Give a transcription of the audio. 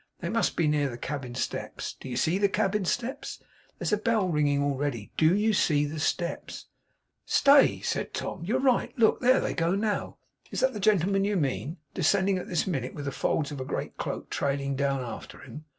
They must be near the cabin steps. Do you see the cabin steps? There's the bell ringing already! DO you see the steps?' 'Stay!' said Tom, 'you're right. Look! there they go now. Is that the gentleman you mean? Descending at this minute, with the folds of a great cloak trailing down after him?